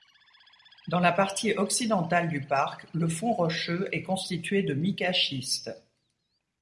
Dans la partie occidentale du parc, le fond rocheux est constitué de micaschiste.